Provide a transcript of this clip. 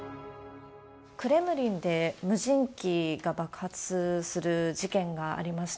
クレムリンで無人機が爆発する事件がありました。